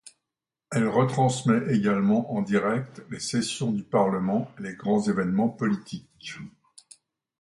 Elle retransmet également en direct les sessions du parlement et les grands événements politiques.